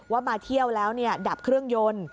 มาเที่ยวแล้วดับเครื่องยนต์